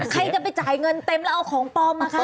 ใครจะไปจ่ายเงินเต็มแล้วเอาของปลอมมาคะ